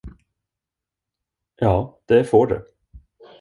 Ja, det får du.